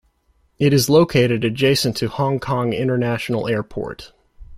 It is located adjacent to Hong Kong International Airport.